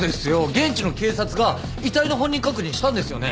現地の警察が遺体の本人確認したんですよね？